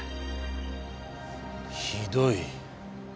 ひどい。